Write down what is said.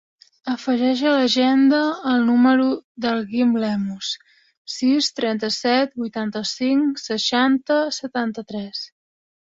Afegeix a l'agenda el número del Guim Lemus: sis, trenta-set, vuitanta-cinc, seixanta, setanta-tres.